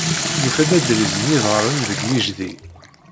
Nufa-d adriz n yiḍarren deg yejdi.